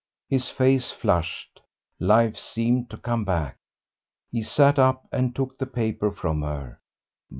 His face flushed, life seemed to come back. He sat up and took the paper from her.